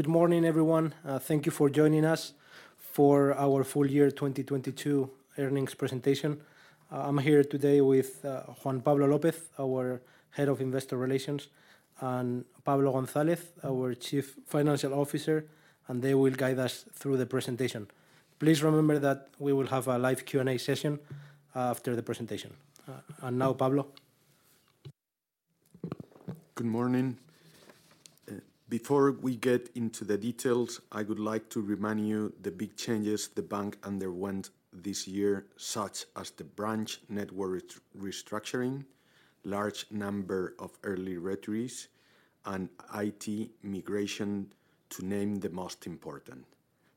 Good morning, everyone. Thank you for joining us for our full year 2022 earnings presentation. I'm here today with Juan Pablo López, our Head of Investor Relations, and Pablo González, our Chief Financial Officer. They will guide us through the presentation. Please remember that we will have a live Q&A session after the presentation. Now Pablo. Good morning. Before we get into the details, I would like to remind you the big changes the bank underwent this year, such as the branch network restructuring, large number of early retirees, and IT migration, to name the most important.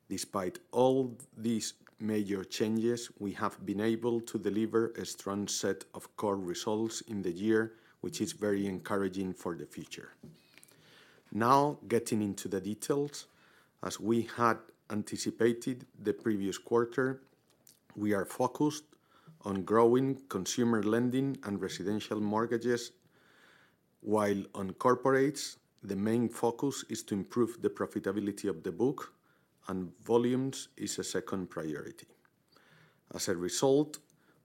Despite all these major changes, we have been able to deliver a strong set of core results in the year, which is very encouraging for the future. Getting into the details, as we had anticipated the previous quarter, we are focused on growing consumer lending and residential mortgages, while on corporates, the main focus is to improve the profitability of the book and volumes is a second priority.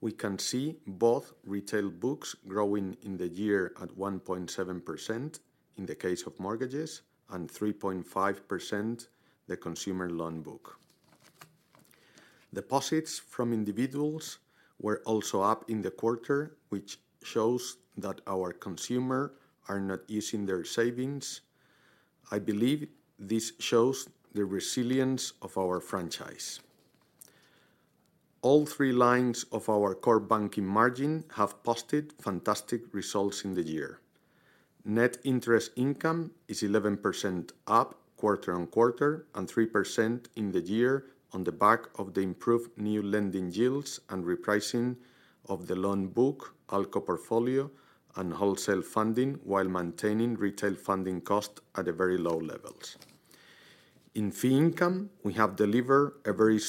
We can see both retail books growing in the year at 1.7% in the case of mortgages and 3.5% the consumer loan book. Deposits from individuals were also up in the quarter, which shows that our consumer are not using their savings. I believe this shows the resilience of our franchise. All three lines of our core banking margin have posted fantastic results in the year. Net interest income is 11% up quarter-on-quarter and 3% in the year on the back of the improved new lending yields and repricing of the loan book, ALCO portfolio, and wholesale funding, while maintaining retail funding cost at a very low levels. In fee income, we have delivered a very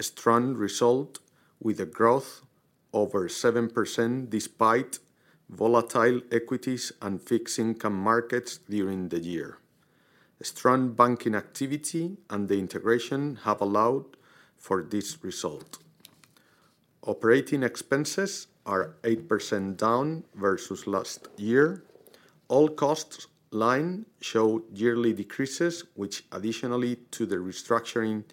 strong result with a growth over 7% despite volatile equities and fixed income markets during the year. A strong banking activity and the integration have allowed for this result. Operating expenses are 8% down versus last year. All cost line show yearly decreases, which additionally to the restructuring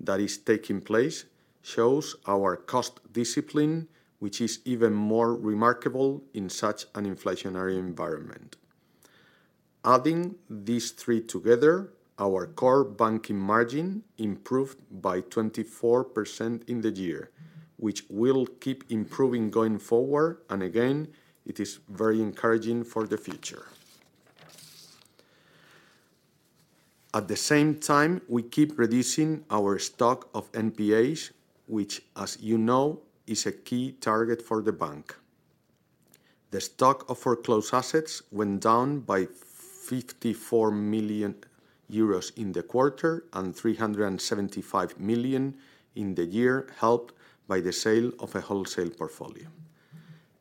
that is taking place, shows our cost discipline, which is even more remarkable in such an inflationary environment. Adding these three together, our core banking margin improved by 24% in the year, which will keep improving going forward, and again, it is very encouraging for the future. At the same time, we keep reducing our stock of NPAs, which as you know, is a key target for the bank. The stock of foreclosed assets went down by 54 million euros in the quarter and 375 million in the year, helped by the sale of a wholesale portfolio.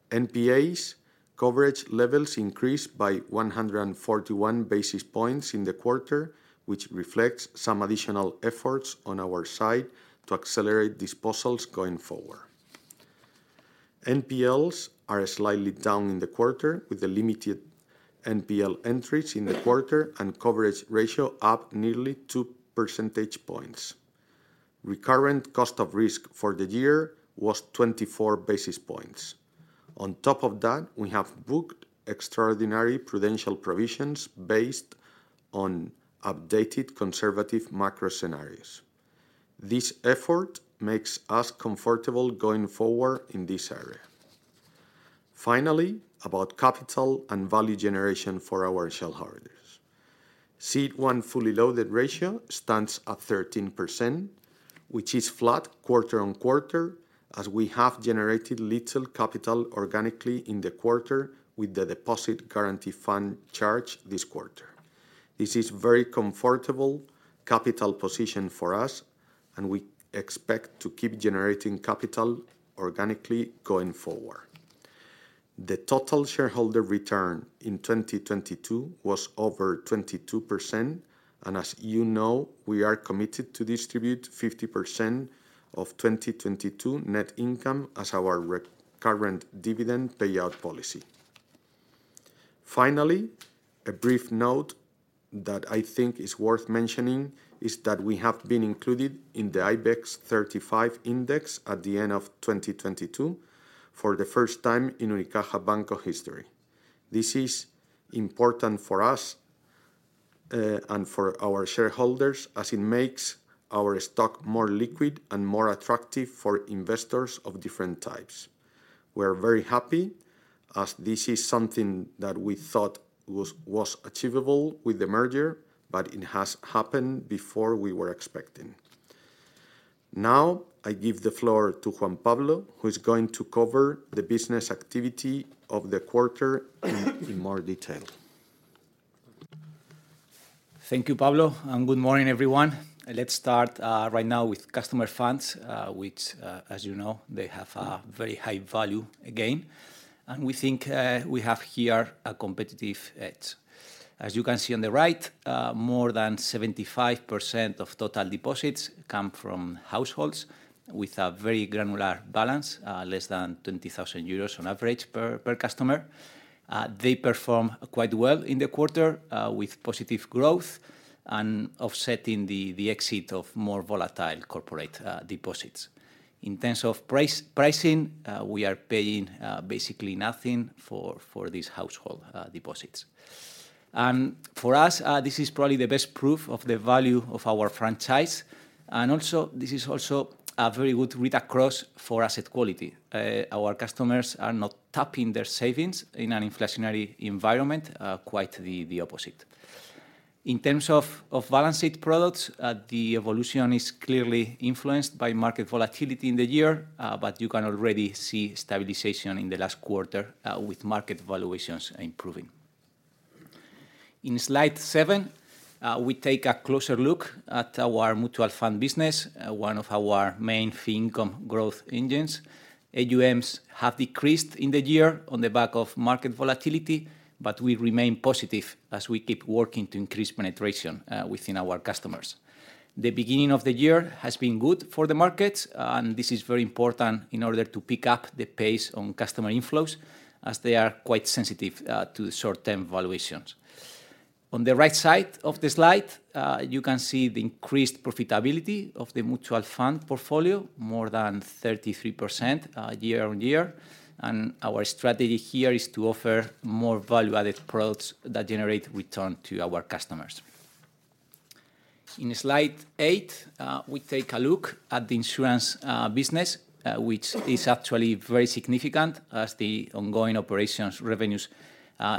NPAs coverage levels increased by 141 basis points in the quarter, which reflects some additional efforts on our side to accelerate disposals going forward. NPLs are slightly down in the quarter, with the limited NPL entries in the quarter and coverage ratio up nearly 2 percentage points. Recurrent cost of risk for the year was 24 basis points. On top of that, we have booked extraordinary prudential provisions based on updated conservative macro scenarios. This effort makes us comfortable going forward in this area. About capital and value generation for our shareholders. CET1 fully loaded ratio stands at 13%, which is flat quarter-on-quarter, as we have generated little capital organically in the quarter with the deposit guarantee fund charge this quarter. This is very comfortable capital position for us, and we expect to keep generating capital organically going forward. The total shareholder return in 2022 was over 22%. As you know, we are committed to distribute 50% of 2022 net income as our recurrent dividend payout policy. Finally, a brief note that I think is worth mentioning is that we have been included in the IBEX 35 index at the end of 2022 for the first time in Unicaja Banco history. This is important for us, and for our shareholders, as it makes our stock more liquid and more attractive for investors of different types. We're very happy as this is something that we thought was achievable with the merger, but it has happened before we were expecting. Now, I give the floor to Juan Pablo, who is going to cover the business activity of the quarter in more detail. Thank you, Pablo, and good morning, everyone. Let's start right now with customer funds, which, as you know, they have a very high value again. We think we have here a competitive edge. As you can see on the right, more than 75% of total deposits come from households with a very granular balance, less than 20,000 euros on average per customer. They perform quite well in the quarter, with positive growth and offsetting the exit of more volatile corporate deposits. In terms of pricing, we are paying basically nothing for these household deposits. For us, this is probably the best proof of the value of our franchise, and also this is also a very good read across for asset quality. Our customers are not tapping their savings in an inflationary environment, quite the opposite. In terms of balance sheet products, the evolution is clearly influenced by market volatility in the year, but you can already see stabilization in the last quarter, with market valuations improving. In Slide seven, we take a closer look at our mutual fund business, one of our main fee income growth engines. AUMs have decreased in the year on the back of market volatility, but we remain positive as we keep working to increase penetration within our customers. The beginning of the year has been good for the markets, and this is very important in order to pick up the pace on customer inflows, as they are quite sensitive to short-term valuations. On the right side of the slide, you can see the increased profitability of the mutual fund portfolio, more than 33% year-on-year. Our strategy here is to offer more value-added products that generate return to our customers. In Slide eight, we take a look at the insurance business, which is actually very significant as the ongoing operations revenues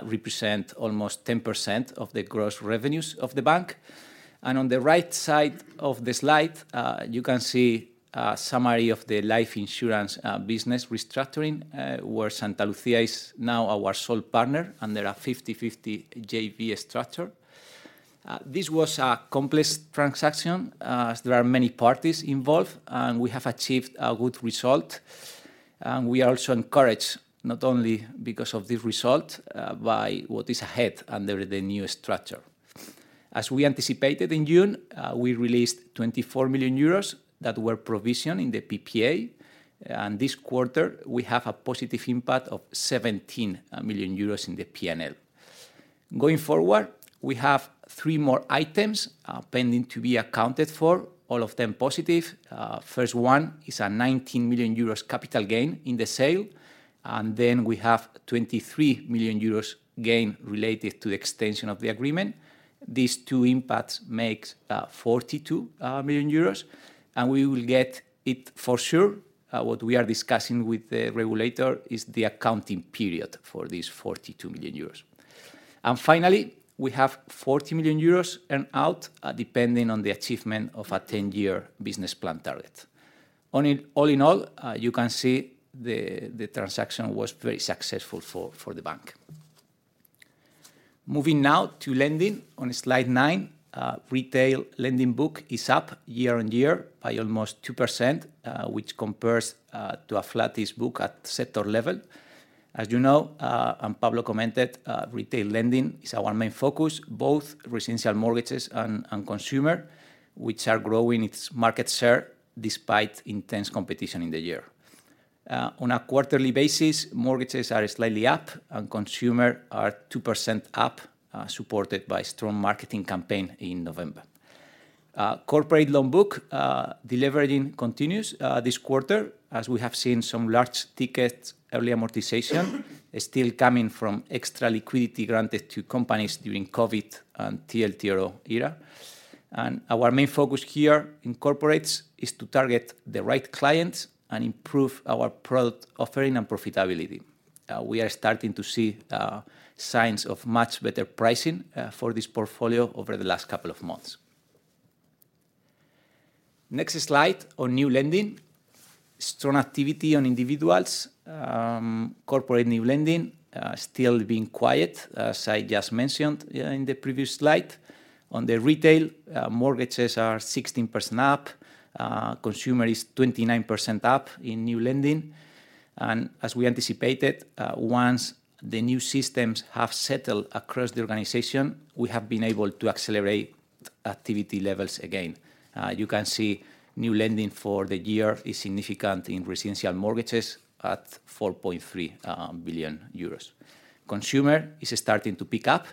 represent almost 10% of the gross revenues of the bank. On the right side of the slide, you can see a summary of the life insurance business restructuring, where Santalucía is now our sole partner under a 50/50 JV structure. This was a complex transaction, as there are many parties involved, and we have achieved a good result. We are also encouraged, not only because of this result, by what is ahead under the new structure. As we anticipated in June, we released 24 million euros that were provisioned in the PPA. This quarter, we have a positive impact of 17 million euros in the PNL. Going forward, we have three more items pending to be accounted for, all of them positive. First one is a 19 million euros capital gain in the sale, and then we have 23 million euros gain related to the extension of the agreement. These two impacts makes 42 million euros, and we will get it for sure. What we are discussing with the regulator is the accounting period for these 42 million euros. Finally, we have 40 million euros earn-out depending on the achievement of a 10-year business plan target. All in all, you can see the transaction was very successful for the bank. Moving now to lending on Slide nine. Retail lending book is up year-over-year by almost 2%, which compares to a flattish book at sector level. As you know, Pablo commented, retail lending is our main focus, both residential mortgages and consumer, which are growing its market share despite intense competition in the year. On a quarterly basis, mortgages are slightly up and consumer are 2% up, supported by strong marketing campaign in November. Corporate loan book deleveraging continues this quarter, as we have seen some large ticket early amortization is still coming from extra liquidity granted to companies during COVID and TLTRO era. Our main focus here in corporates is to target the right clients and improve our product offering and profitability. We are starting to see signs of much better pricing for this portfolio over the last couple of months. Next slide on new lending. Strong activity on individuals. corporate new lending still being quiet, as I just mentioned in the previous slide. On the retail, mortgages are 16% up. consumer is 29% up in new lending. As we anticipated, once the new systems have settled across the organization, we have been able to accelerate activity levels again. you can see new lending for the year is significant in residential mortgages at 4.3 billion euros. Consumer is starting to pick up,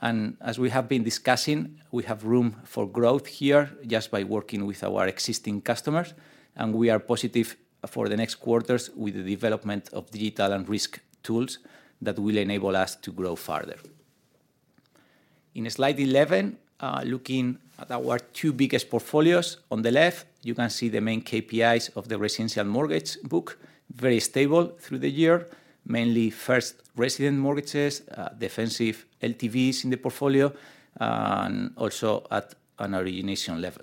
and as we have been discussing, we have room for growth here just by working with our existing customers, and we are positive for the next quarters with the development of digital and risk tools that will enable us to grow further. In Slide 11, looking at our two biggest portfolios. On the left, you can see the main KPIs of the residential mortgage book, very stable through the year. Mainly first resident mortgages, defensive LTVs in the portfolio, and also at an origination level.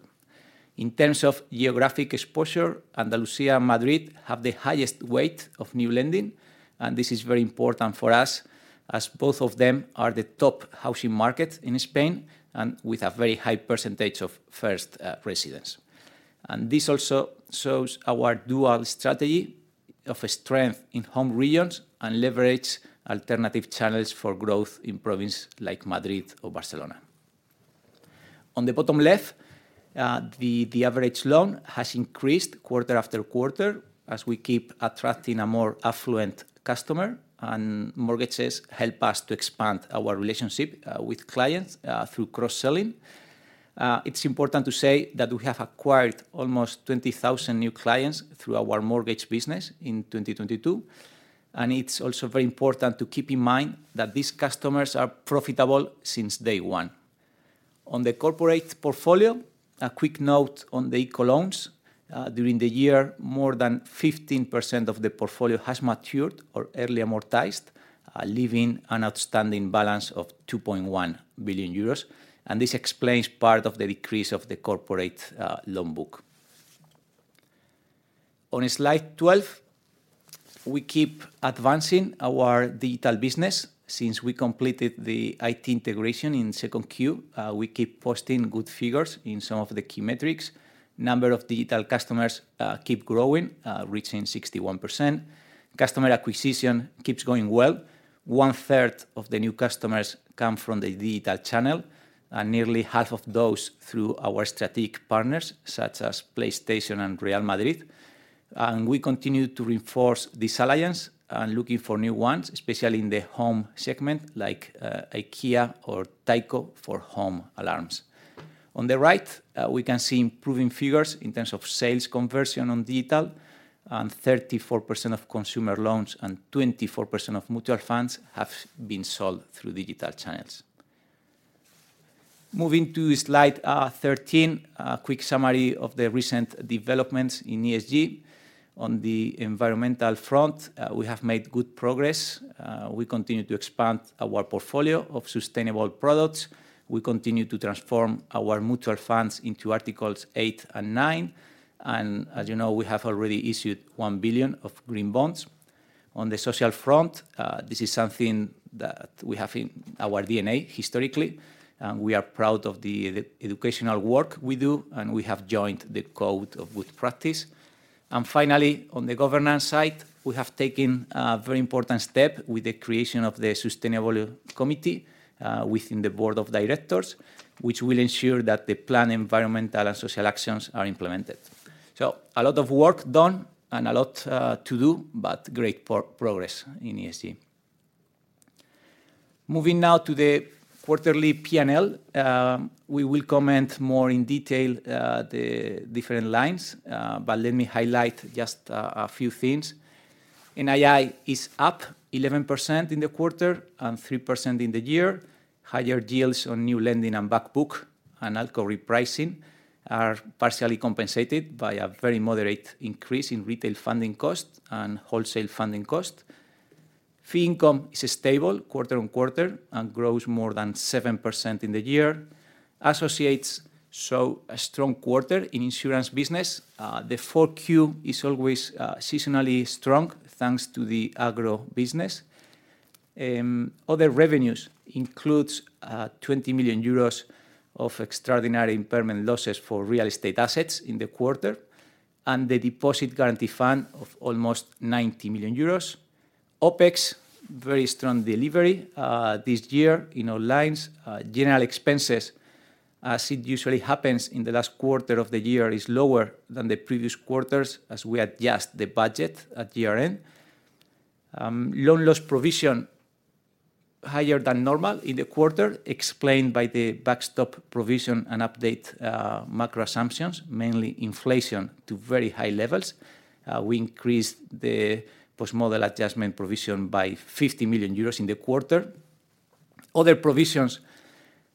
In terms of geographic exposure, Andalusia and Madrid have the highest weight of new lending, and this is very important for us as both of them are the top housing market in Spain and with a very high percentage of first residents. This also shows our dual strategy of strength in home regions and leverage alternative channels for growth in province like Madrid or Barcelona. On the bottom left, the average loan has increased quarter-after-quarter as we keep attracting a more affluent customer, and mortgages help us to expand our relationship with clients through cross-selling. It's important to say that we have acquired almost 20,000 new clients through our mortgage business in 2022, and it's also very important to keep in mind that these customers are profitable since day one. On the corporate portfolio, a quick note on the ICO loans. During the year, more than 15% of the portfolio has matured or early amortized, leaving an outstanding balance of 2.1 billion euros, and this explains part of the decrease of the corporate loan book. On Slide 12, we keep advancing our digital business. Since we completed the IT integration in Q2, we keep posting good figures in some of the key metrics. Number of digital customers keep growing, reaching 61%. Customer acquisition keeps going well. One-third of the new customers come from the digital channel, nearly half of those through our strategic partners, such as PlayStation and Real Madrid. We continue to reinforce this alliance and looking for new ones, especially in the home segment, like IKEA or Tyco for home alarms. On the right, we can see improving figures in terms of sales conversion on digital, 34% of consumer loans and 24% of mutual funds have been sold through digital channels. Moving to Slide 13, a quick summary of the recent developments in ESG. On the environmental front, we have made good progress. We continue to expand our portfolio of sustainable products. We continue to transform our mutual funds into Articles eight and nine. As you know, we have already issued 1 billion of green bonds. On the social front, this is something that we have in our DNA historically, and we are proud of the educational work we do, and we have joined the Code of Good Practice. Finally, on the governance side, we have taken a very important step with the creation of the sustainable committee within the board of directors, which will ensure that the planned environmental and social actions are implemented. A lot of work done and a lot to do, but great progress in ESG. Moving now to the quarterly P&L. We will comment more in detail the different lines, let me highlight just a few things. NII is up 11% in the quarter and 3% in the year. Higher deals on new lending and back book and ALCO repricing are partially compensated by a very moderate increase in retail funding costs and wholesale funding costs. Fee income is stable quarter-on-quarter and grows more than 7% in the year. Associates show a strong quarter in insurance business. The Q4 is always seasonally strong, thanks to the agro business. Other revenues includes 20 million euros of extraordinary impairment losses for real estate assets in the quarter and the deposit guarantee fund of almost 90 million euros. OpEx, very strong delivery this year in all lines. General expenses, as it usually happens in the last quarter of the year, is lower than the previous quarters as we adjust the budget at year-end. Loan loss provision higher than normal in the quarter, explained by the backstop provision and update, macro assumptions, mainly inflation to very high levels. We increased the Post-Model Adjustment provision by 50 million euros in the quarter. Other provisions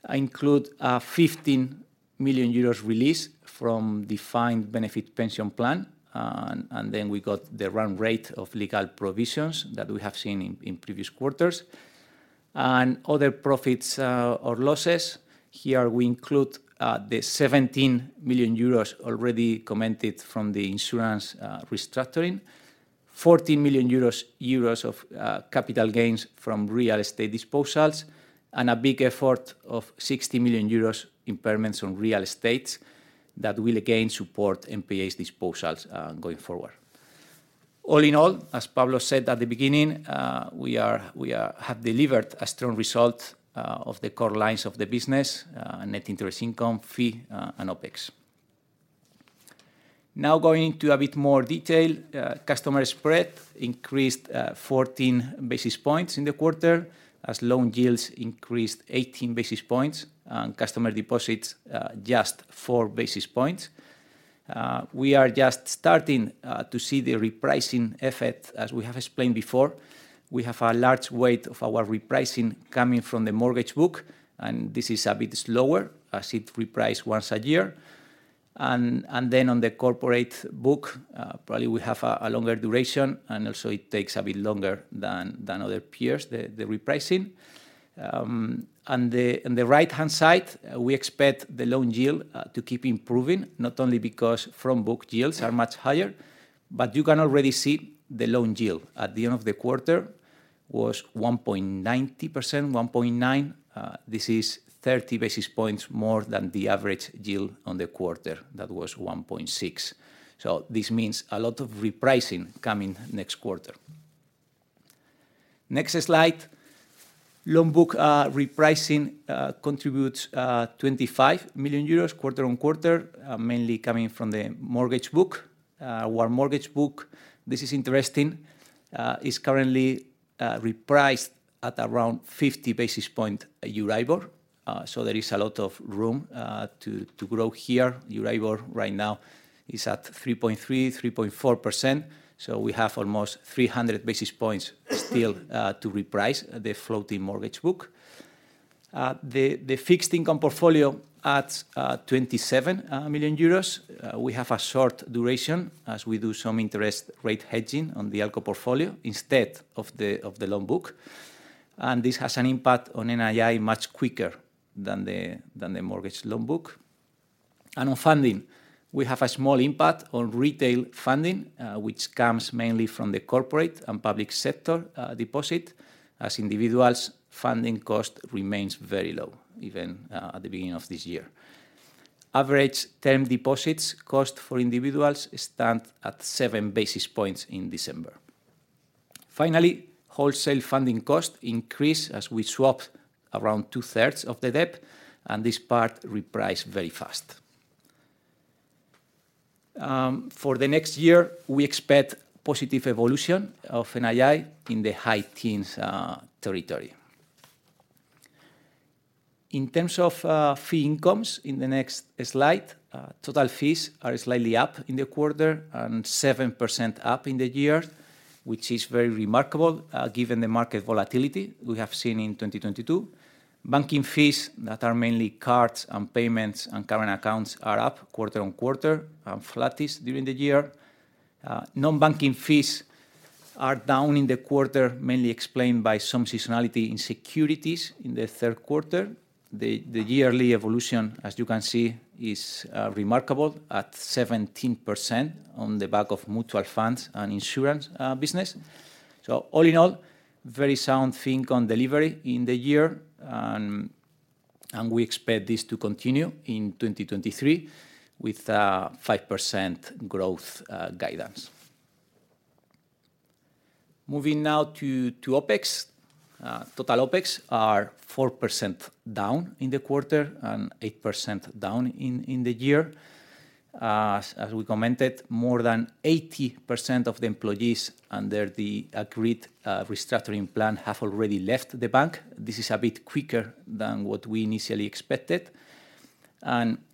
include a 15 million euros release from defined benefit pension plan, and then we got the run rate of legal provisions that we have seen in previous quarters. Other profits or losses, here we include the 17 million euros already commented from the insurance restructuring, 14 million euros of capital gains from real estate disposals, and a big effort of 60 million euros impairments on real estate that will again support NPA disposals going forward. All in all, as Pablo said at the beginning, we have delivered a strong result of the core lines of the business, net interest income, fee, and OpEx. Now going into a bit more detail, customer spread increased 14 basis points in the quarter as loan yields increased 18 basis points and customer deposits just 4 basis points. We are just starting to see the repricing effect, as we have explained before. We have a large weight of our repricing coming from the mortgage book, and this is a bit slower as it reprice once a year. On the corporate book, probably we have a longer duration, and also it takes a bit longer than other peers, the repricing. In the right-hand side, we expect the loan yield to keep improving, not only because from book yields are much higher, but you can already see the loan yield at the end of the quarter was 1.90%, 1.9%. This is 30 basis points more than the average yield on the quarter. That was 1.6%. This means a lot of repricing coming next quarter. Next slide. Loan book repricing contributes 25 million euros quarter-on-quarter, mainly coming from the mortgage book. Our mortgage book, this is interesting, is currently repriced at around 50 basis point Euribor, so there is a lot of room to grow here. Euribor right now is at 3.3%, 3.4%, so we have almost 300 basis points still to reprice the floating mortgage book. The fixed income portfolio adds 27 million euros. We have a short duration as we do some interest rate hedging on the ALCO portfolio instead of the loan book, and this has an impact on NII much quicker than the mortgage loan book. On funding, we have a small impact on retail funding, which comes mainly from the corporate and public sector deposit. As individuals, funding cost remains very low, even at the beginning of this year. Average term deposits cost for individuals stand at 7 basis points in December. Finally, wholesale funding costs increase as we swap around 2/3 of the debt, and this part reprice very fast. For the next year, we expect positive evolution of NII in the high teens territory. In terms of fee incomes, in the next slide, total fees are slightly up in the quarter and 7% up in the year, which is very remarkable, given the market volatility we have seen in 2022. Banking fees that are mainly cards and payments and current accounts are up quarter-on-quarter, flattish during the year. Non-banking fees are down in the quarter, mainly explained by some seasonality in securities in the Q3. The yearly evolution, as you can see, is remarkable at 17% on the back of mutual funds and insurance business. All in all, very sound fee income delivery in the year, and we expect this to continue in 2023 with 5% growth guidance. Moving now to OpEx. Total OpEx are 4% down in the quarter and 8% down in the year. As we commented, more than 80% of the employees under the agreed restructuring plan have already left the bank. This is a bit quicker than what we initially expected.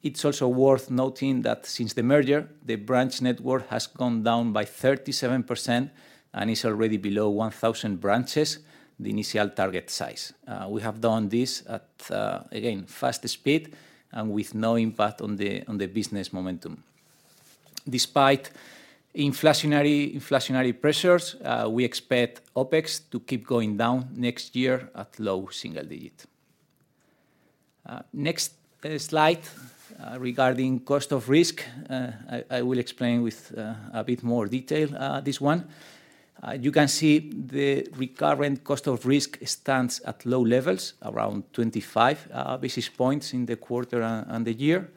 It's also worth noting that since the merger, the branch network has gone down by 37% and is already below 1,000 branches, the initial target size. We have done this at again, faster speed and with no impact on the business momentum. Despite inflationary pressures, we expect OpEx to keep going down next year at low single digit. Next slide, regarding cost of risk, I will explain with a bit more detail this one. You can see the recurrent cost of risk stands at low levels, around 25 basis points in the quarter and the year.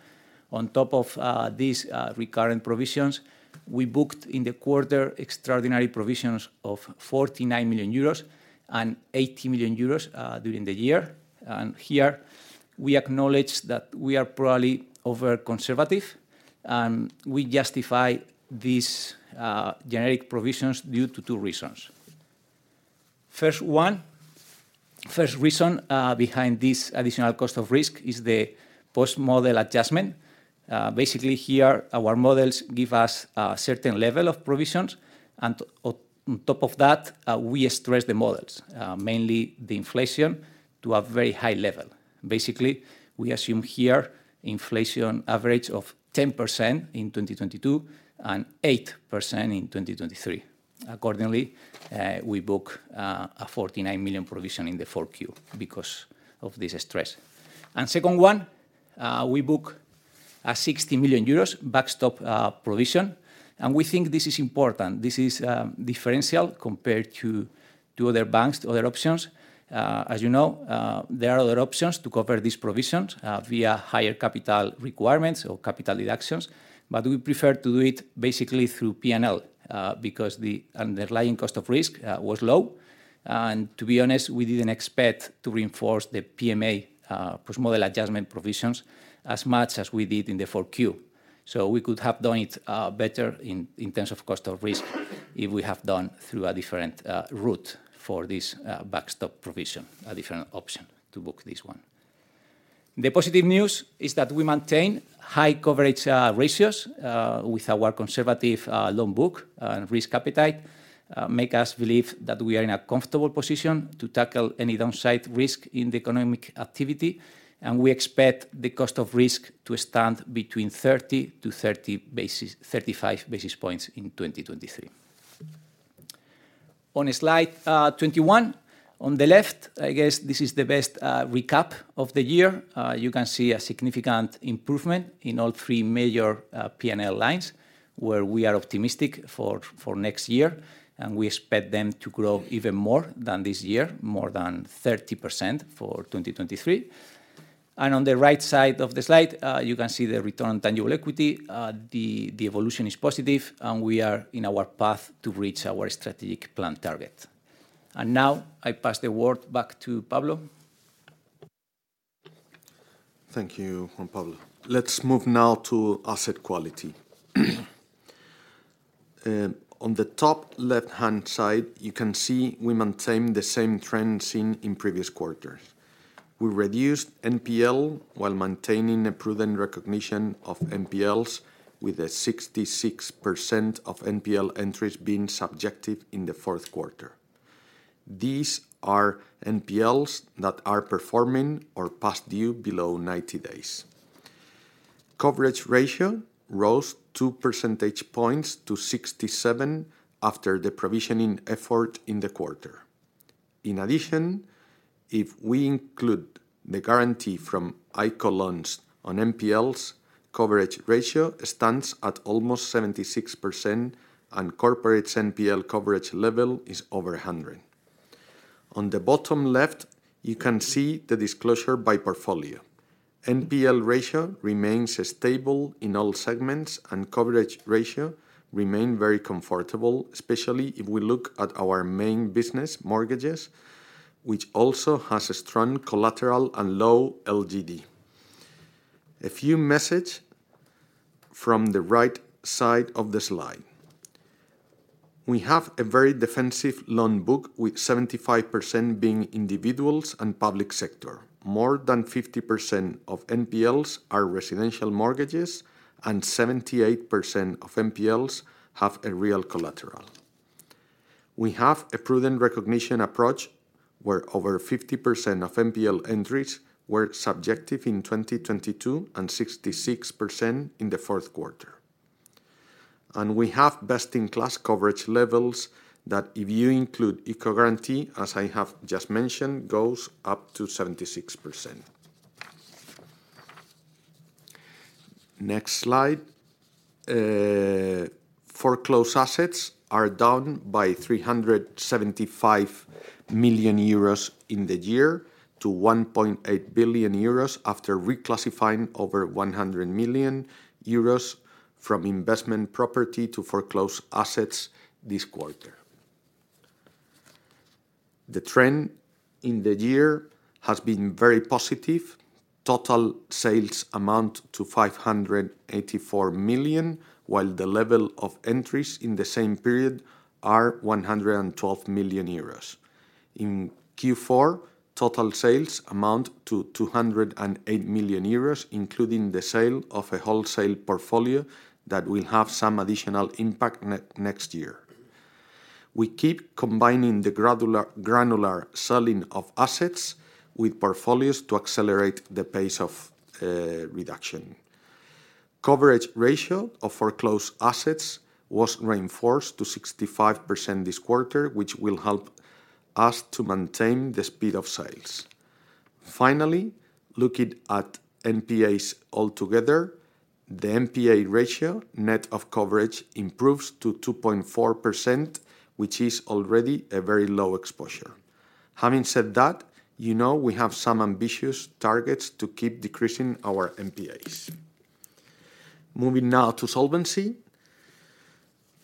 On top of these recurrent provisions, we booked in the quarter extraordinary provisions of 49 million euros and 80 million euros during the year. Here we acknowledge that we are probably over-conservative, and we justify these generic provisions due to two reasons. First reason behind this additional cost of risk is the Post-Model Adjustment. Basically here our models give us a certain level of provisions, and on top of that, we stress the models, mainly the inflation, to a very high level. Basically, we assume here inflation average of 10% in 2022 and 8% in 2023. Accordingly, we book a 49 million provision in the Q4 because of this stress. Second one, we book a 60 million euros backstop provision, and we think this is important. This is differential compared to other banks, to other options. As you know, there are other options to cover these provisions via higher capital requirements or capital deductions, but we prefer to do it basically through P&L because the underlying cost of risk was low. To be honest, we didn't expect to reinforce the PMA Post-Model Adjustment provisions as much as we did in the Q4. We could have done it better in terms of cost of risk if we have done through a different route for this backstop provision, a different option to book this one. The positive news is that we maintain high coverage ratios with our conservative loan book and risk appetite make us believe that we are in a comfortable position to tackle any downside risk in the economic activity. We expect the cost of risk to stand between 30 to 35 basis points in 2023. On Slide 21, on the left, I guess this is the best recap of the year. You can see a significant improvement in all three major P&L lines, where we are optimistic for next year, and we expect them to grow even more than this year, more than 30% for 2023. On the right side of the slide, you can see the return on tangible equity. The evolution is positive, and we are in our path to reach our strategic plan target. Now, I pass the word back to Pablo. Thank you, Juan. Let's move now to asset quality. On the top left-hand side, you can see we maintain the same trend seen in previous quarters. We reduced NPL while maintaining a prudent recognition of NPLs with a 66% of NPL entries being subjective in the Q1. These are NPLs that are performing or past due below 90 days. Coverage ratio rose 2 percentage points to 67% after the provisioning effort in the quarter. If we include the guarantee from ICO loans on NPLs, coverage ratio stands at almost 76%, and corporate NPL coverage level is over 100%. On the bottom left, you can see the disclosure by portfolio. NPL ratio remains stable in all segments, and coverage ratio remain very comfortable, especially if we look at our main business mortgages, which also has a strong collateral and low LGD. A few message from the right side of the slide. We have a very defensive loan book, with 75% being individuals and public sector. More than 50% of NPLs are residential mortgages, and 78% of NPLs have a real collateral. We have a prudent recognition approach, where over 50% of NPL entries were subjective in 2022, and 66% in the Q4. We have best-in-class coverage levels that, if you include ICO guarantee, as I have just mentioned, goes up to 76%. Next slide. Foreclosed assets are down by 375 million euros in the year to 1.8 billion euros after reclassifying over 100 million euros from investment property to foreclosed assets this quarter. The trend in the year has been very positive. Total sales amount to 584 million, while the level of entries in the same period are 112 million euros. In Q4, total sales amount to 208 million euros, including the sale of a wholesale portfolio that will have some additional impact next year. We keep combining the granular selling of assets with portfolios to accelerate the pace of reduction. Coverage ratio of foreclosed assets was reinforced to 65% this quarter, which will help us to maintain the speed of sales. Finally, looking at NPAs altogether, the NPA ratio, net of coverage, improves to 2.4%, which is already a very low exposure. Having said that, you know we have some ambitious targets to keep decreasing our NPAs. Moving now to solvency.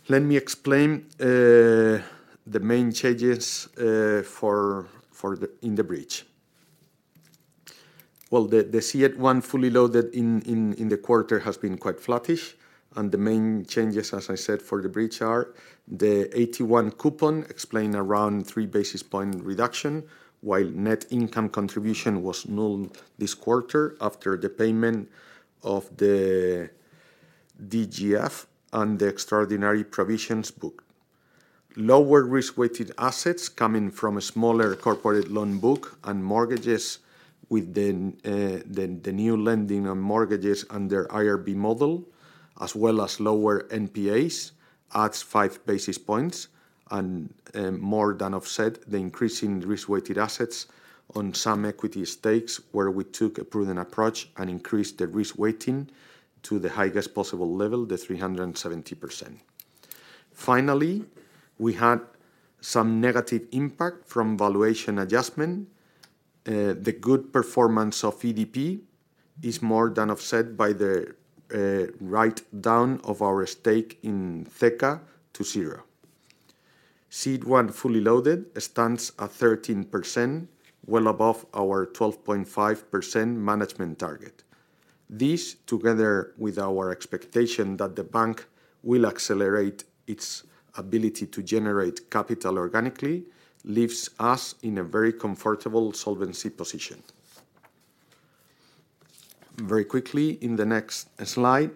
Let me explain the main changes for the bridge. Well, the CET1 fully loaded in the quarter has been quite flattish, and the main changes, as I said, for the bridge are the AT1 coupon explain around 3 basis point reduction, while net income contribution was null this quarter after the payment of the DGF and the extraordinary provisions booked. Lower risk-weighted assets coming from a smaller corporate loan book and mortgages with the new lending on mortgages under IRB model, as well as lower NPAs, adds 5 basis points and more than offset the increase in risk-weighted assets on some equity stakes where we took a prudent approach and increased the risk weighting to the highest possible level, the 370%. Finally, we had some negative impact from valuation adjustment. The good performance of EDP is more than offset by the write-down of our stake in CECA to zero. CET1 fully loaded stands at 13%, well above our 12.5% management target. This, together with our expectation that the bank will accelerate its ability to generate capital organically, leaves us in a very comfortable solvency position. Very quickly, in the next slide,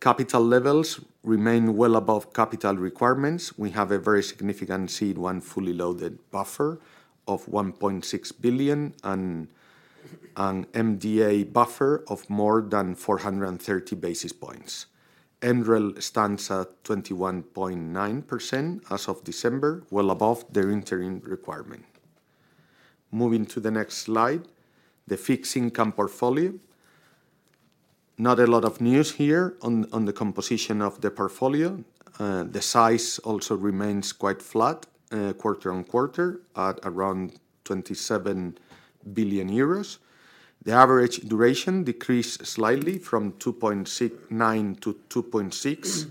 capital levels remain well above capital requirements. We have a very significant CET1 fully loaded buffer of 1.6 billion and an MDA buffer of more than 430 basis points. MREL stands at 21.9% as of December, well above their interim requirement. Moving to the next slide, the fixed income portfolio. Not a lot of news here on the composition of the portfolio. The size also remains quite flat, quarter-on-quarter at around 27 billion euros. The average duration decreased slightly from 2.69 to 2.6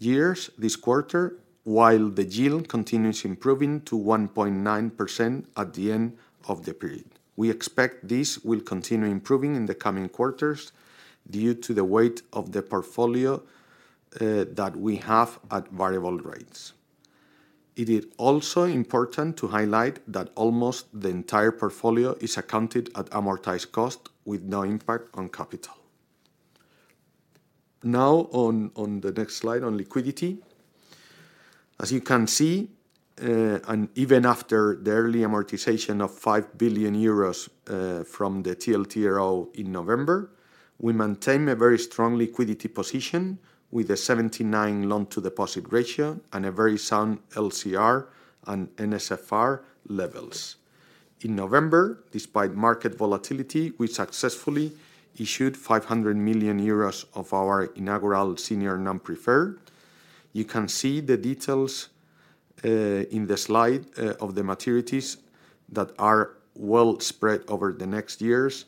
years this quarter, while the yield continues improving to 1.9% at the end of the period. We expect this will continue improving in the coming quarters due to the weight of the portfolio, that we have at variable rates. It is also important to highlight that almost the entire portfolio is accounted at amortized cost with no impact on capital. On the next slide on liquidity. As you can see, and even after the early amortization of 5 billion euros from the TLTRO in November, we maintain a very strong liquidity position with a 79 loan to deposit ratio and a very sound LCR and NSFR levels. In November, despite market volatility, we successfully issued 500 million euros of our inaugural senior non-preferred. You can see the details in the slide of the maturities that are well spread over the next years.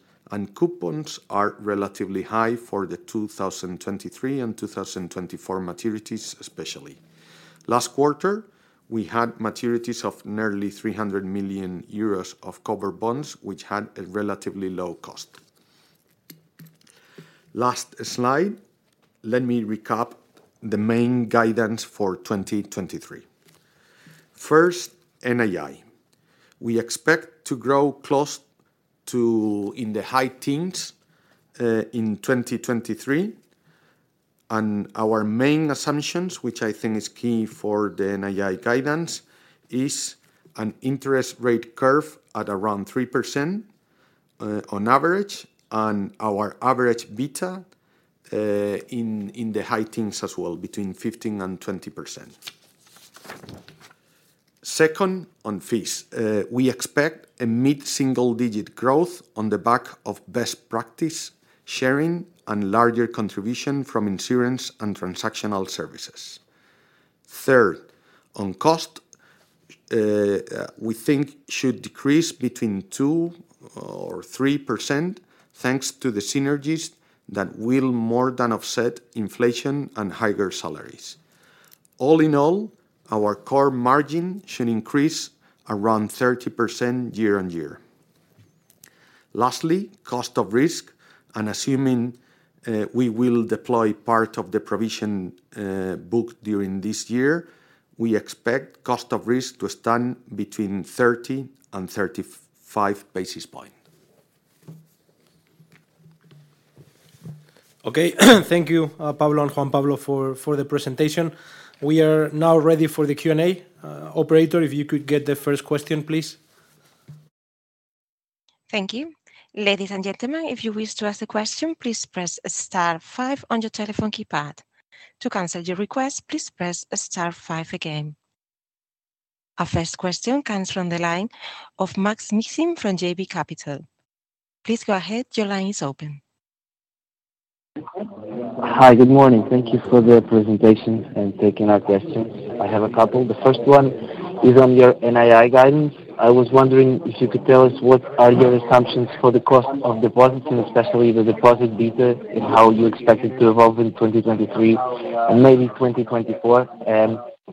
Coupons are relatively high for the 2023 and 2024 maturities, especially. Last quarter, we had maturities of nearly 300 million euros of covered bonds, which had a relatively low cost. Last slide, let me recap the main guidance for 2023. First, NII. We expect to grow close to in the high teens in 2023. Our main assumptions, which I think is key for the NII guidance, is an interest rate curve at around 3% on average, and our average beta in the high teens as well, between 15% and 20%. Second, on fees. We expect a mid-single digit growth on the back of best practice sharing and larger contribution from insurance and transactional services. Third, on cost. We think should decrease between 2% or 3%, thanks to the synergies that will more than offset inflation and higher salaries. All in all, our core margin should increase around 30% year-on-year. Lastly, cost of risk, and assuming, we will deploy part of the provision, book during this year, we expect cost of risk to stand between 30 and 35 basis point. Okay. Thank you, Pablo and Juan Pablo for the presentation. We are now ready for the Q&A. Operator, if you could get the first question, please. Thank you. Ladies and gentlemen, if you wish to ask a question, please press star five on your telephone keypad. To cancel your request, please press star five again. Our first question comes from the line of Maksym Mishyn from JB Capital. Please go ahead, your line is open. Hi, good morning. Thank you for the presentation and taking our questions. I have a couple. The first one is on your NII guidance. I was wondering if you could tell us what are your assumptions for the cost of deposits, and especially the deposit beta, and how you expect it to evolve in 2023 and maybe 2024.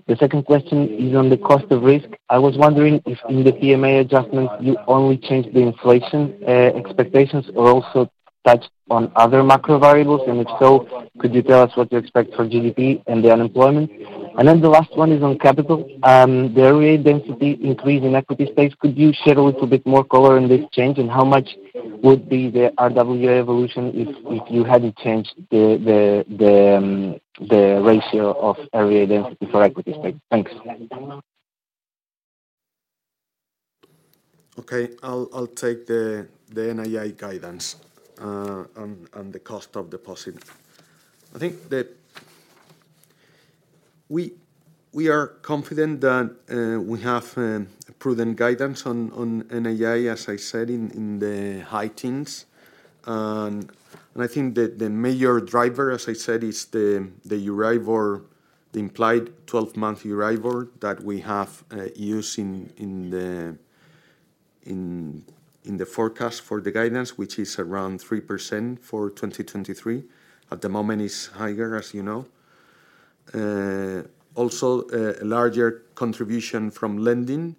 The second question is on the cost of risk. I was wondering if in the PMA adjustments, you only changed the inflation expectations or also touched on other macro variables. If so, could you tell us what you expect for GDP and the unemployment? The last one is on capital. The RWA density increase in equity space, could you shed a little bit more color on this change and how much would be the RWA evolution if you hadn't changed the ratio of RWA density for equity space? Thanks. Okay. I'll take the NII guidance on the cost of deposit. I think that we are confident that we have proven guidance on NII, as I said, in the high teens. I think the major driver, as I said, is the Euribor, the implied 12-month Euribor that we have used in the forecast for the guidance, which is around 3% for 2023. At the moment, it's higher, as you know. Also, a larger contribution from lending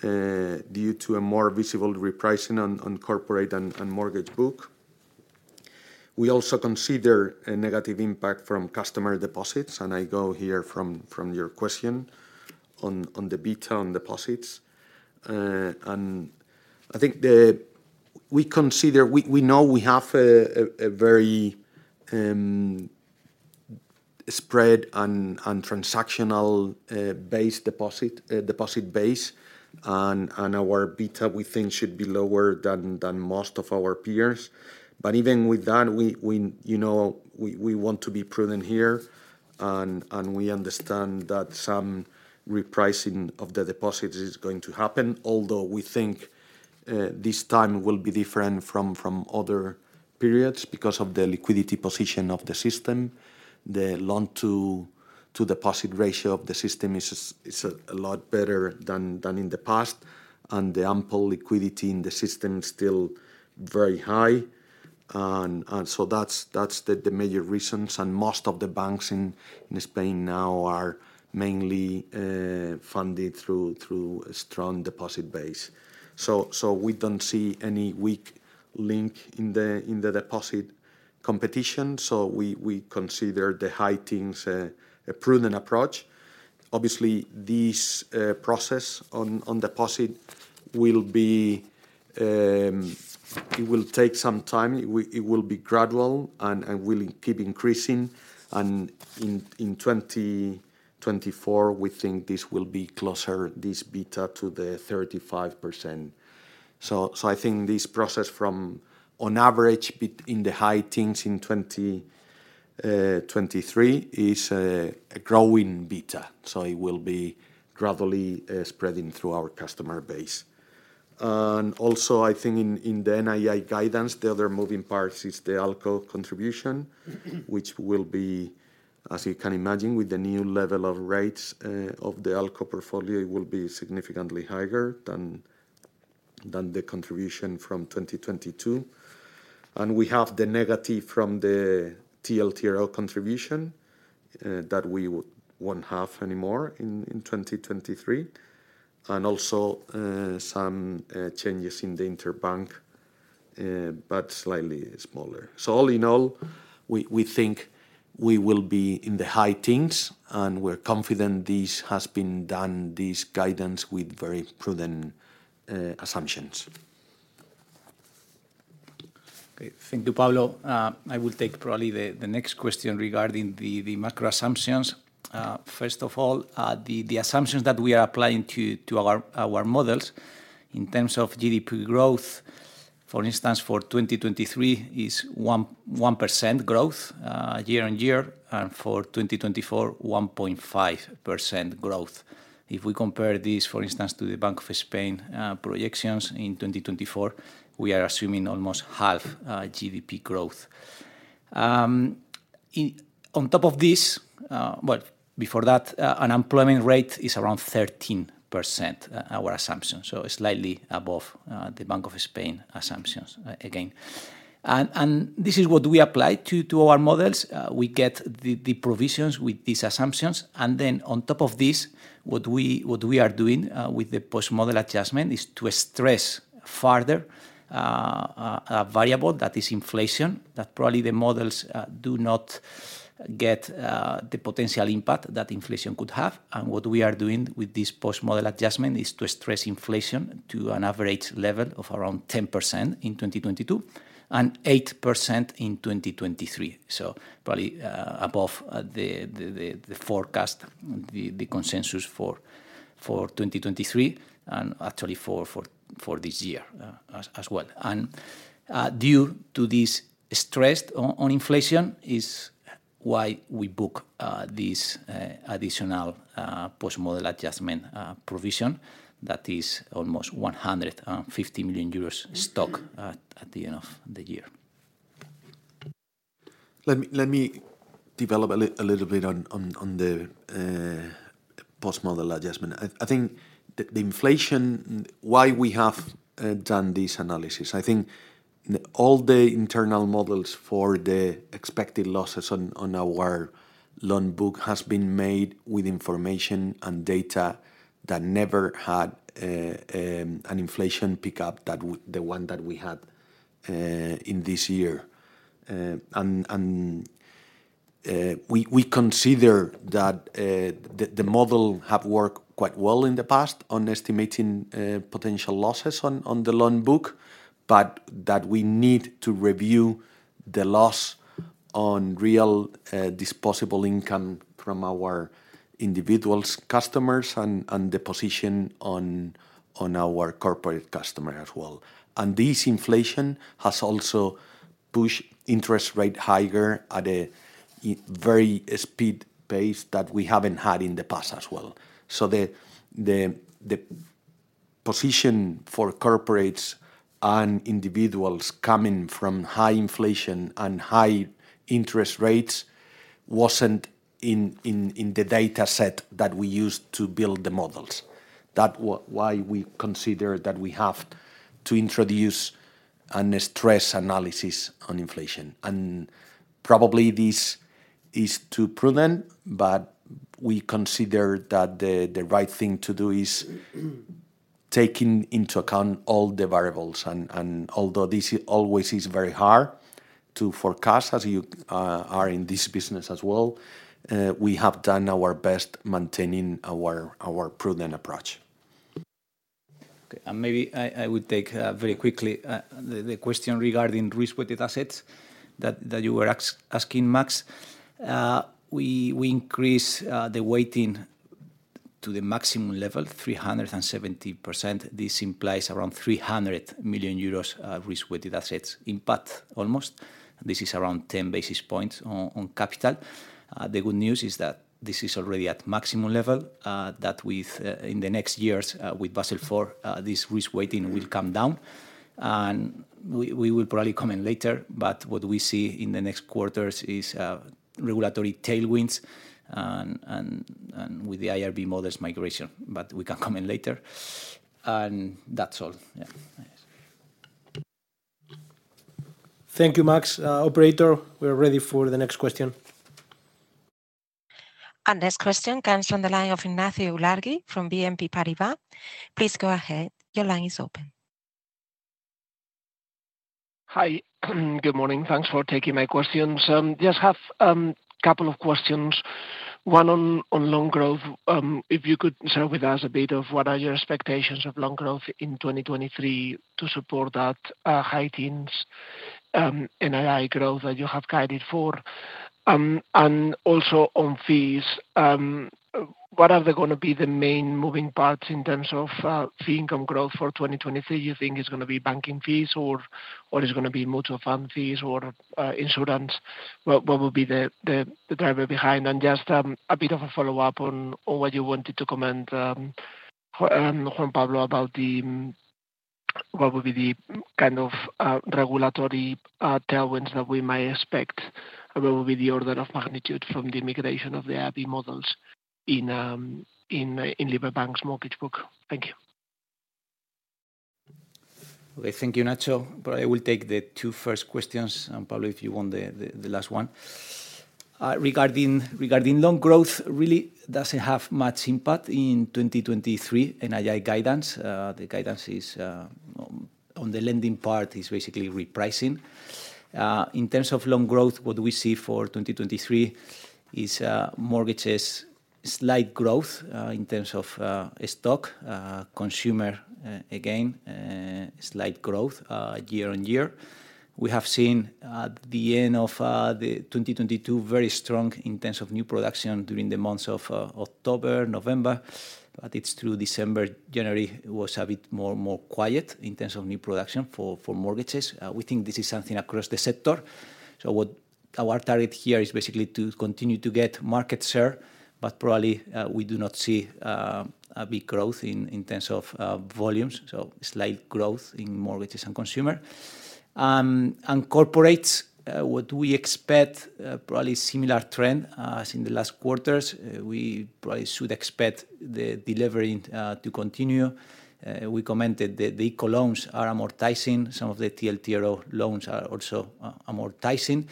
due to a more visible repricing on corporate and mortgage book. We also consider a negative impact from customer deposits, and I go here from your question on the beta on deposits. I think the... We know we have a very spread and transactional base deposit base. Our beta, we think should be lower than most of our peers. Even with that, we, you know, we want to be prudent here and we understand that some repricing of the deposits is going to happen. Although we think this time will be different from other periods because of the liquidity position of the system. The loan to deposit ratio of the system is a lot better than in the past, and the ample liquidity in the system is still very high. So that's the major reasons. Most of the banks in Spain now are mainly funded through a strong deposit base. We don't see any weak link in the deposit competition, we consider the high teens a prudent approach. Obviously, this process on deposit will be, it will take some time. It will be gradual and will keep increasing. In 2024, we think this will be closer, this beta, to the 35%. I think this process from, on average, in the high teens in 2023, is a growing beta, it will be gradually spreading through our customer base. Also, I think in the NII guidance, the other moving parts is the ALCO contribution, which will be, as you can imagine, with the new level of rates of the ALCO portfolio, it will be significantly higher than the contribution from 2022. We have the negative from the TLTRO contribution that we won't have anymore in 2023. Also, some changes in the interbank, but slightly smaller. All in all, we think we will be in the high teens, and we're confident this has been done, this guidance, with very prudent assumptions. Okay. Thank you, Pablo. I will take probably the next question regarding the macro assumptions. First of all, the assumptions that we are applying to our models in terms of GDP growth, for instance, for 2023, is 1.1% growth year-over-year. For 2024, 1.5% growth. If we compare this, for instance, to the Bank of Spain projections in 2024, we are assuming almost half GDP growth. On top of this, well, before that, unemployment rate is around 13%, our assumption, so slightly above the Bank of Spain assumptions again. This is what we apply to our models. We get the provisions with these assumptions. On top of this, what we are doing with the Post-Model Adjustment is to stress further a variable that is inflation, that probably the models do not get the potential impact that inflation could have. What we are doing with this Post-Model Adjustment is to stress inflation to an average level of around 10% in 2022, and 8% in 2023. Probably above the forecast, the consensus for 2023, and actually for this year as well. Due to this stress on inflation is why we book this additional Post-Model Adjustment provision that is almost 150 million euros stock at the end of the year. Let me develop a little bit on the Post-Model Adjustment. I think the inflation, why we have done this analysis, I think all the internal models for the expected losses on our loan book has been made with information and data that never had an inflation pickup that the one that we had in this year. We consider that the model have worked quite well in the past on estimating potential losses on the loan book, but that we need to review the loss on real disposable income from our individuals customers and the position on our corporate customer as well. This inflation has also pushed interest rate higher at a very speed pace that we haven't had in the past as well. The position for corporates and individuals coming from high inflation and high interest rates wasn't in the dataset that we used to build the models. That why we consider that we have to introduce an stress analysis on inflation. Probably this is too prudent, but we consider that the right thing to do is taking into account all the variables. Although this always is very hard to forecast, as you are in this business as well, we have done our best maintaining our prudent approach. Maybe I would take very quickly the question regarding risk-weighted assets that you were asking, Maksym. We increase the weighting to the maximum level, 370%. This implies around 300 million euros risk-weighted assets impact almost. This is around 10 basis points on capital. The good news is that this is already at maximum level that with in the next years with Basel IV this risk-weighting will come down. We will probably comment later, but what we see in the next quarters is regulatory tailwinds and with the IRB models migration. We can comment later. That's all. Yeah. Thanks. Thank you, Maksym. Operator, we're ready for the next question. Our next question comes from the line of Ignacio Ulargui from BNP Paribas. Please go ahead. Your line is open. Hi. Good morning. Thanks for taking my questions. Just have couple of questions. One on loan growth. If you could share with us a bit of what are your expectations of loan growth in 2023 to support that high teens NII growth that you have guided for. Also on fees, what are they gonna be the main moving parts in terms of fee income growth for 2023? You think it's gonna be banking fees or or it's gonna be mutual fund fees or insurance? What, what will be the driver behind? Just a bit of a follow-up on what you wanted to comment Juan Pablo, about what would be the kind of regulatory tailwinds that we might expect? What will be the order of magnitude from the migration of the IRB models in Liberbank's mortgage book? Thank you. Okay. Thank you, Ignacio. I will take the two first questions, and Pablo, if you want the last one. Regarding loan growth, really doesn't have much impact in 2023 NII guidance. The guidance is on the lending part is basically repricing. In terms of loan growth, what we see for 2023 is mortgages slight growth in terms of stock. Consumer, again, slight growth year-over-year. We have seen at the end of 2022 very strong in terms of new production during the months of October, November. It's true December, January was a bit more quiet in terms of new production for mortgages. We think this is something across the sector. What our target here is basically to continue to get market share, but probably, we do not see a big growth in terms of volumes. Slight growth in mortgages and consumer. Corporates, what we expect, probably similar trend as in the last quarters. We probably should expect the delivery to continue. We commented the eco-loans are amortizing. Some of the TLTRO loans are also amortizing.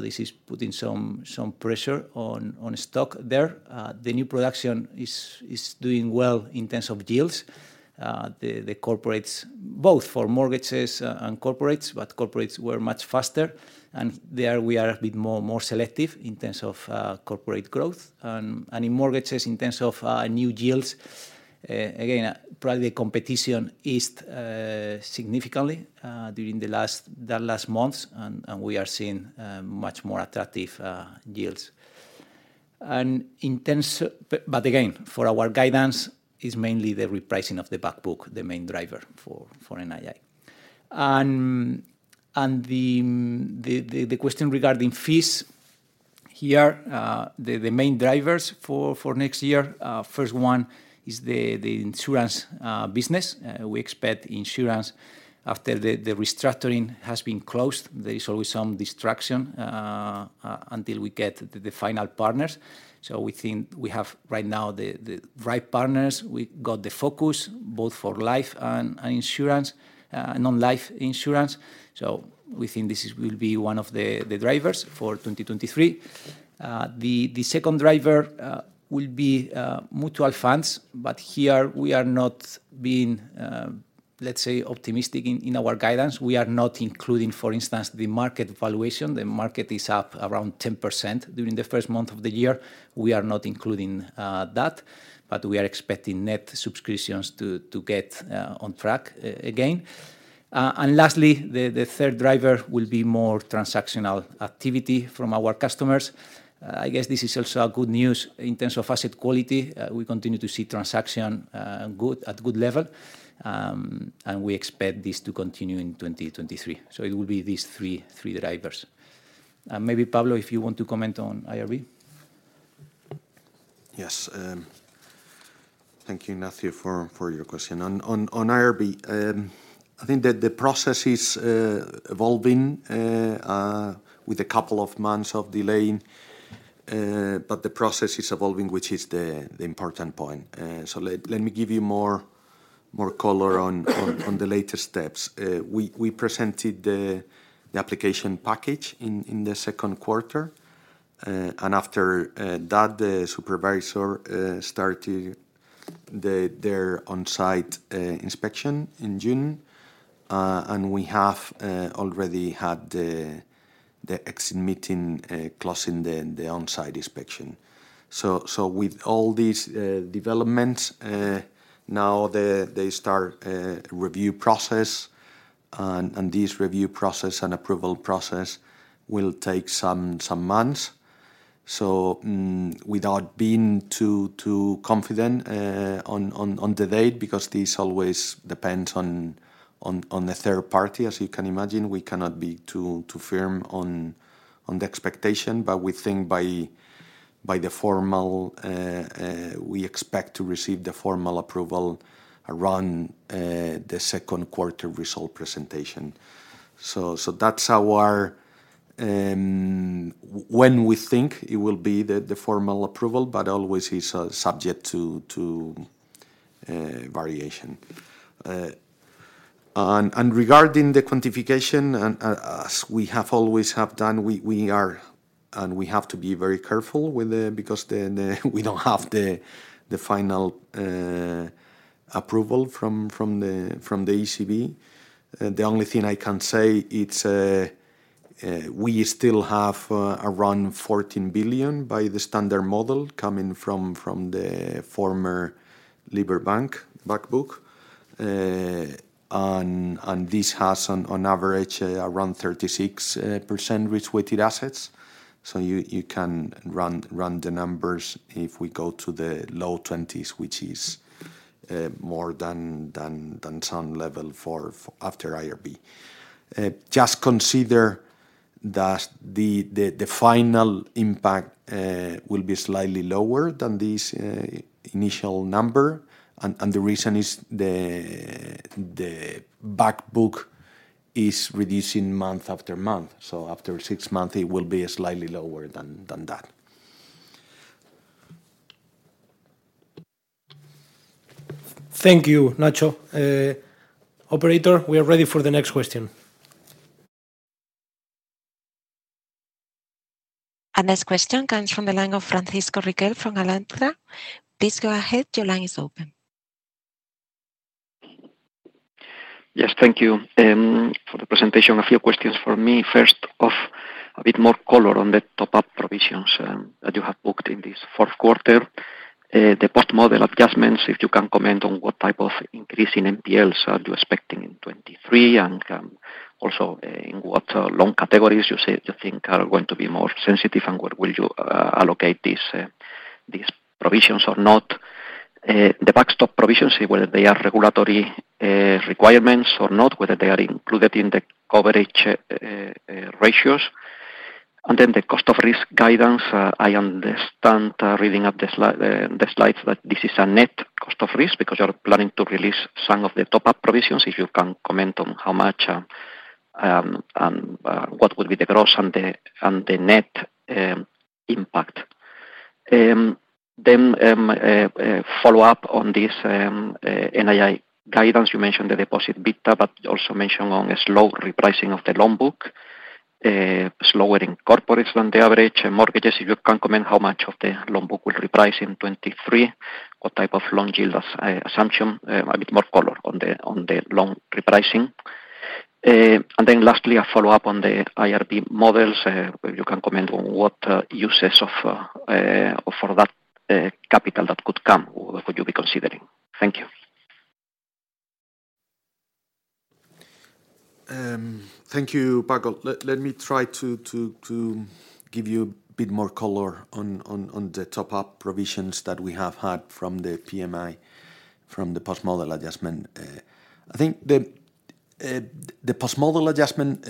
This is putting some pressure on stock there. The new production is doing well in terms of deals. The corporates, both for mortgages and corporates, but corporates were much faster. There we are a bit more selective in terms of corporate growth. In mortgages, in terms of new deals, again, probably the competition eased significantly during the last months and we are seeing much more attractive deals. In terms. Again, for our guidance is mainly the repricing of the back book, the main driver for NII. The question regarding fees, here, the main drivers for next year, first one is the insurance business. We expect insurance after the restructuring has been closed. There is always some distraction until we get the final partners. We think we have right now the right partners. We got the focus both for life and insurance and non-life insurance. we think this will be one of the drivers for 2023. The second driver will be mutual funds, but here we are not being, let's say, optimistic in our guidance. We are not including, for instance, the market valuation. The market is up around 10% during the first month of the year. We are not including that, but we are expecting net subscriptions to get on track again. Lastly, the third driver will be more transactional activity from our customers. I guess this is also a good news in terms of asset quality. We continue to see transaction good, at good level. we expect this to continue in 2023. It will be these three drivers. Maybe Pablo, if you want to comment on IRB. Yes. Thank you, Ignacio for your question. On IRB, I think that the process is evolving with a couple of months of delay. The process is evolving, which is the important point. Let me give you more color on the latest steps. We presented the application package in the Q2. After that, the supervisor started their on-site inspection in June. We have already had the exit meeting, closing the on-site inspection. With all these developments, now they start a review process. This review process and approval process will take some months. Without being too confident on the date, because this always depends on the third party. As you can imagine, we cannot be too firm on the expectation. We think by the formal, we expect to receive the formal approval around the Q2 result presentation. That's our when we think it will be the formal approval, but always is subject to variation. Regarding the quantification, as we have always have done, we are, and we have to be very careful with the because then we don't have the final approval from the ECB. The only thing I can say, it's, we still have around 14 billion by the standard model coming from the former Liberbank back book. This has on average around 36% risk-weighted assets. You can run the numbers if we go to the low 20s, which is more than some level after IRB. Just consider that the final impact will be slightly lower than this initial number. The reason is the back book is reducing month after month, so after six months it will be slightly lower than that Thank you, Nacho. Operator, we are ready for the next question. Our next question comes from the line of Francisco Riquel from Alantra. Please go ahead. Your line is open. Yes, thank you for the presentation. A few questions from me. First off, a bit more color on the top-up provisions that you have booked in this Q4. The Post-Model Adjustments, if you can comment on what type of increase in NPLs are you expecting in 2023, and also in what loan categories you think are going to be more sensitive, and where will you allocate these provisions or not? The backstop provisions, whether they are regulatory requirements or not, whether they are included in the coverage ratios. The cost of risk guidance, I understand reading up the slides that this is a net cost of risk because you're planning to release some of the top-up provisions. If you can comment on how much, and what would be the gross and the net impact. Follow up on this NII guidance. You mentioned the deposit beta, but also mention on a slow repricing of the loan book, slower in corporates than the average in mortgages. If you can comment how much of the loan book will reprice in 2023, what type of loan yield as-assumption, a bit more color on the loan repricing. Lastly, a follow-up on the IRB models. If you can comment on what uses of for that capital that could come, what would you be considering? Thank you. Thank you, Paco. Let me try to give you a bit more color on the top-up provisions that we have had from the PMA, from the Post-Model Adjustment. I think the Post-Model Adjustment,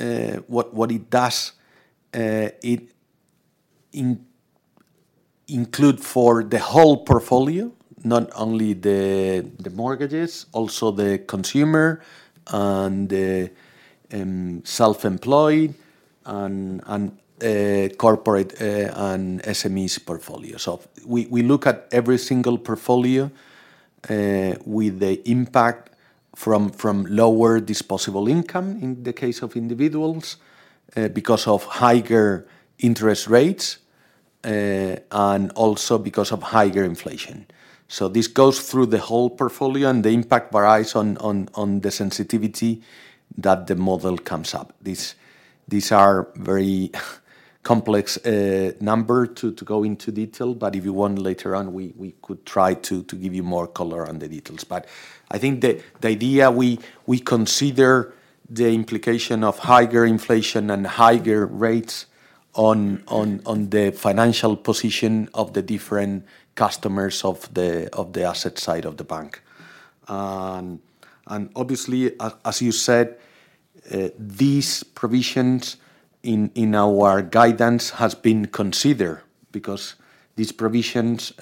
what it does, it include for the whole portfolio, not only the mortgages, also the consumer and the self-employed and corporate and SMEs portfolio. We look at every single portfolio with the impact from lower disposable income in the case of individuals, because of higher interest rates, and also because of higher inflation. This goes through the whole portfolio, and the impact varies on the sensitivity that the model comes up. These are very complex number to go into detail, but if you want later on, we could try to give you more color on the details. I think the idea we consider the implication of higher inflation and higher rates on the financial position of the different customers of the asset side of the bank. Obviously, as you said, these provisions in our guidance has been considered because these provisions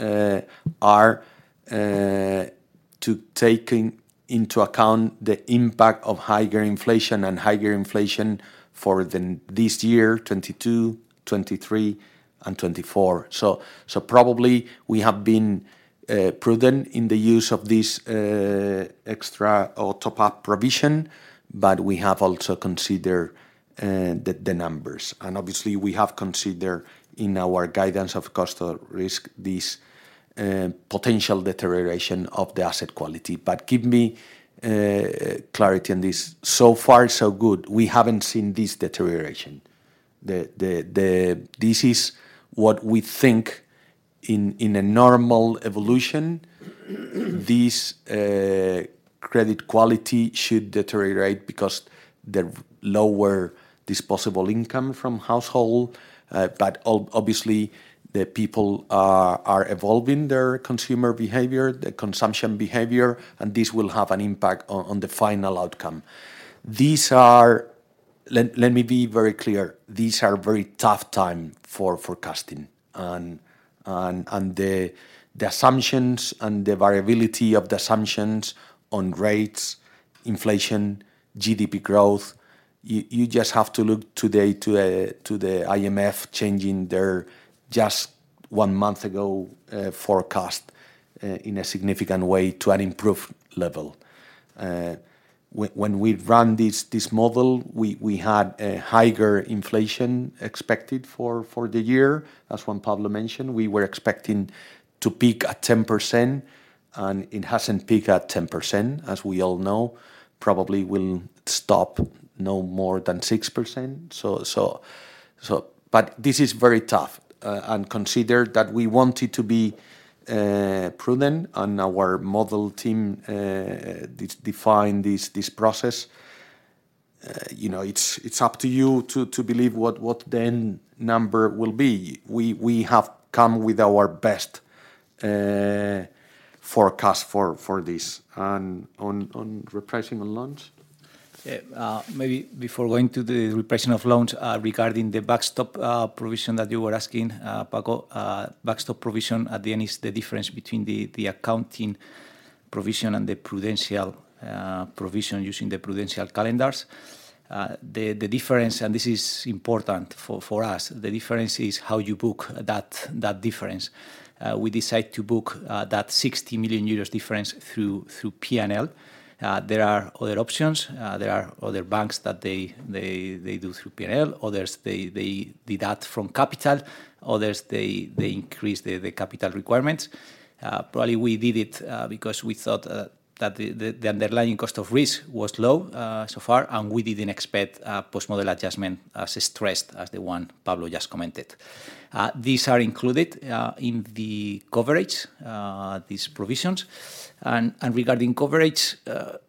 are to taking into account the impact of higher inflation and higher inflation for this year, 2022, 2023, and 2024. Probably we have been prudent in the use of this extra or top-up provision, but we have also considered the numbers. Obviously we have considered in our guidance of cost of risk, this potential deterioration of the asset quality. Give me clarity on this. So far, so good. We haven't seen this deterioration. This is what we think in a normal evolution, this credit quality should deteriorate because the lower disposable income from household. Obviously, the people are evolving their consumer behavior, their consumption behavior, and this will have an impact on the final outcome. Let me be very clear. These are very tough time for forecasting and the assumptions and the variability of the assumptions on rates, inflation, GDP growth. You just have to look today to the IMF changing their, just one month ago, forecast in a significant way to an improved level. When we ran this model, we had a higher inflation expected for the year. As Juan Pablo mentioned, we were expecting to peak at 10%, and it hasn't peaked at 10%, as we all know. Probably will stop no more than 6%. This is very tough. Consider that we wanted to be prudent, and our model team defined this process. You know, it's up to you to believe what the end number will be. We have come with our best forecast for this. On repricing on loans? Maybe before going to the repricing of loans, regarding the backstop provision that you were asking, Paco, backstop provision at the end is the difference between the accounting provision and the prudential provision using the prudential calendars. The difference, and this is important for us, the difference is how you book that difference. We decide to book that 60 million euros difference through P&L. There are other options. There are other banks that they do through P&L. Others, they deduct from capital. Others, they increase the capital requirements. Probably we did it because we thought that the underlying cost of risk was low so far, and we didn't expect Post-Model Adjustment as stressed as the one Pablo just commented. These are included in the coverage, these provisions. Regarding coverage,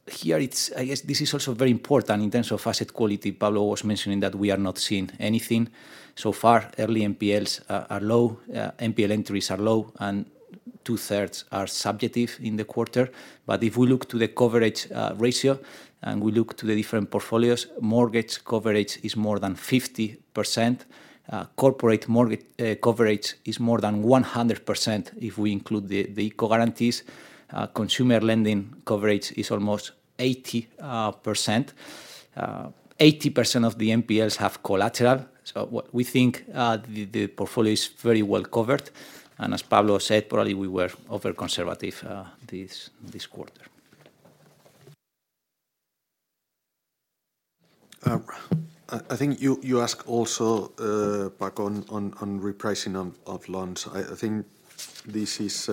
here I guess this is also very important in terms of asset quality. Pablo was mentioning that we are not seeing anything so far. Early NPLs are low, NPL entries are low, and two-thirds are subjective in the quarter. If we look to the coverage ratio and we look to the different portfolios, mortgage coverage is more than 50%. Corporate mortgage coverage is more than 100% if we include the co-guarantees. Consumer lending coverage is almost 80%. 80% of the NPLs have collateral. What we think, the portfolio is very well covered. As Pablo said, probably we were over-conservative this quarter. I think you ask also, Paco, on repricing of loans. I think this is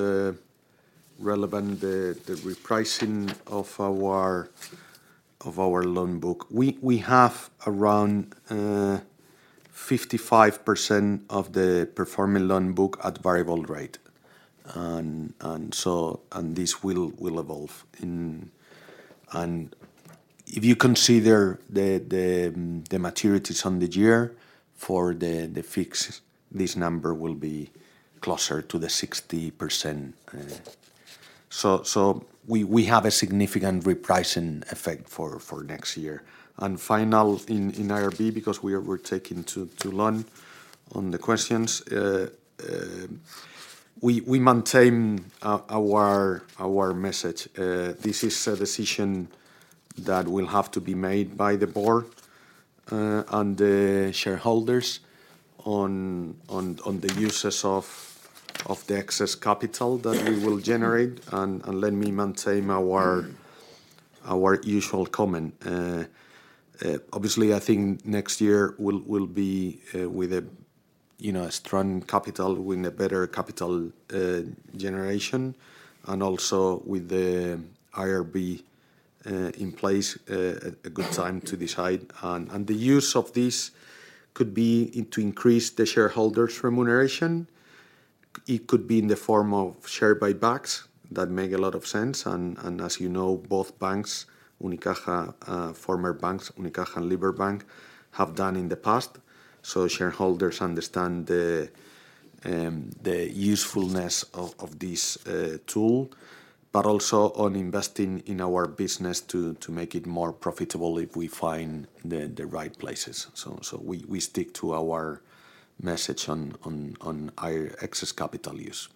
relevant, the repricing of our loan book. We have around 55% of the performing loan book at variable rate. This will evolve in... If you consider the maturities on the year for the fixed, this number will be closer to the 60%. We have a significant repricing effect for next year. Final, in IRB, because we're taking too long on the questions. We maintain our message. This is a decision that will have to be made by the board and the shareholders on the uses of the excess capital that we will generate. Let me maintain our usual comment. Obviously, I think next year will be with a, you know, a strong capital, with a better capital generation, and also with the IRB in place, a good time to decide. The use of this could be in to increase the shareholders' remuneration. It could be in the form of share buybacks. That make a lot of sense. As you know, both banks, Unicaja, former banks, Unicaja and Liberbank, have done in the past. Shareholders understand the usefulness of this tool, but also on investing in our business to make it more profitable if we find the right places. We stick to our message on our excess capital use.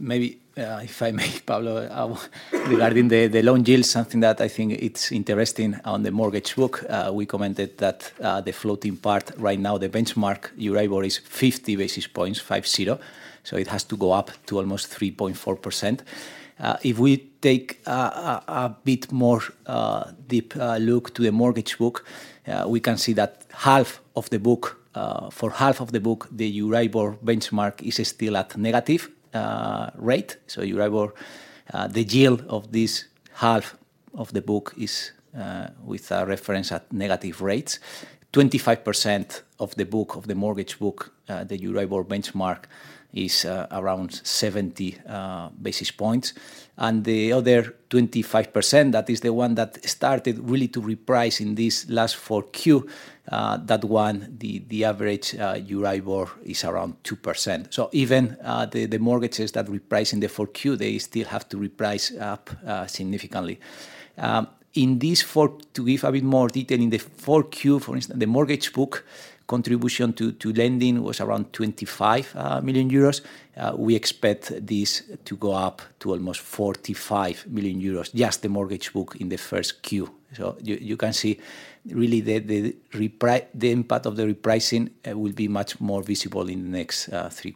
Maybe, if I may, Pablo, regarding the loan yield, something that I think it's interesting on the mortgage book, we commented that the floating part right now, the benchmark Euribor is 50 basis points, 50, so it has to go up to almost 3.4%. If we take a bit more deep look to the mortgage book, we can see that half of the book, for half of the book, the Euribor benchmark is still at negative rate. Euribor, the yield of this half of the book is with a reference at negative rates. 25% of the book, of the mortgage book, the Euribor benchmark is around 70 basis points. The other 25%, that is the one that started really to reprice in this last Q4, that one, the average Euribor is around 2%. Even, the mortgages that reprice in the Q4, they still have to reprice up significantly. To give a bit more detail, in the Q4, for instance, the mortgage book contribution to lending was around 25 million euros. We expect this to go up to almost 45 million euros, just the mortgage book in the Q1. You, you can see really the impact of the repricing will be much more visible in the next three quarters.